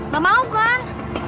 gak mau kan